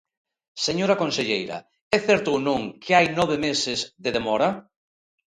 Señora conselleira, ¿é certo ou non que hai nove meses de demora?